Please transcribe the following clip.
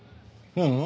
何？